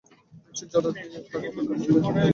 নিশ্চেষ্ট জড়ের ন্যায় থাকা অপেক্ষা ইহা ঢের ভাল।